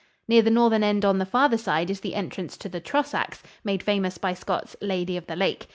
Near the northern end on the farther side is the entrance to the Trosachs, made famous by Scott's "Lady of the Lake."